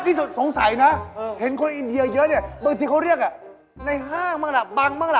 นี่สงสัยนะเห็นคนอินเดียเยอะเนี่ยบางทีเขาเรียกในห้างบ้างล่ะบังบ้างล่ะ